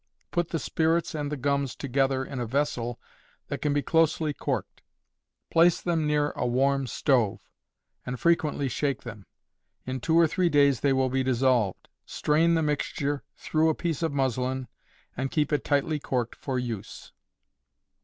Put the spirits and the gums together in a vessel that can be closely corked; place them near a warm stove, and frequently shake them; in two or three days they will be dissolved; strain the mixture through a piece of muslin, and keep it tightly corked for use.